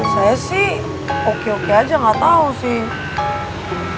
saya sih oke oke aja gak tau sih